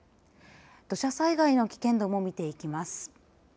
土砂災害の危険度も見ていきます。